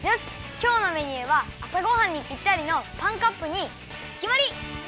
きょうのメニューはあさごはんにぴったりのパンカップにきまり！